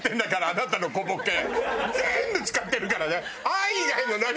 全部使ってるからね。